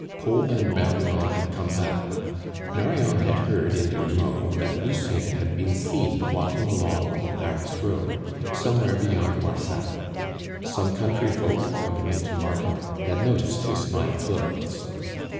Kolb and Marion had come back. Marion had heard in L'Houmeau that Lucien had been seen walking along on the Paris road, somewhere beyond Marsac. Some country folk, coming in to market, had noticed his fine clothes.